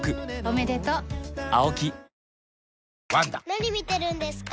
・何見てるんですか？